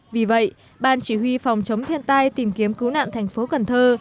vì vậy ban chỉ huy phòng chống thiên tai tìm kiếm cứu nạn thành phố cần thơ